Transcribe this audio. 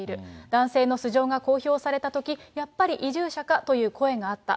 男性の素性が公表されたとき、やっぱり移住者かという声があった。